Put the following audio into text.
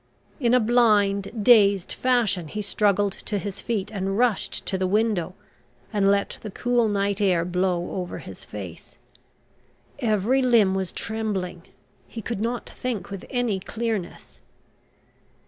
In a blind, dazed fashion he struggled to his feet and rushed to the window and let the cool night air blow over his face. Every limb was trembling; he could not think with any clearness.